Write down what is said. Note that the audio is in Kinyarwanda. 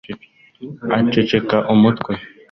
Aceceka umutwe